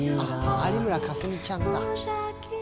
有村架純ちゃんだ。